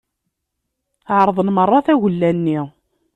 Ԑerḍen merra tagella-nni.